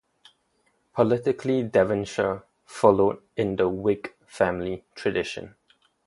Politically Devonshire followed in the Whig family tradition.